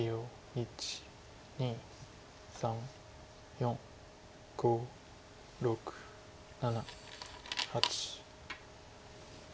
１２３４５６７８。